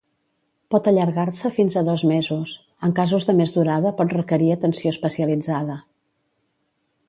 Pot allargar-se fins a dos mesos, en casos de més durada pot requerir atenció especialitzada.